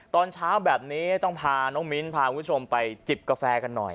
ตอนเช้าแบบนี้ต้องพาน้องมิ้นพาคุณผู้ชมไปจิบกาแฟกันหน่อย